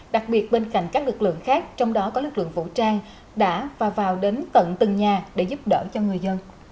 đặc biệt bên cạnh các lực lượng khác trong đó có lực lượng vũ trang đã và vào đến tận từng nhà để giúp đỡ cho người dân